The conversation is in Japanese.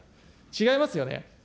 違いますよね。